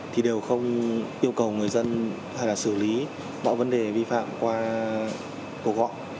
thì đều không yêu cầu người dân hay là xử lý bọn vấn đề vi phạm qua tổ gọi